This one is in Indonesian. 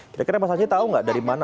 kira kira mas anji tahu nggak dari mana